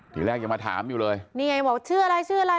ทีแรกยังมาถามอยู่เลยนี่ไงบอกชื่ออะไรชื่ออะไร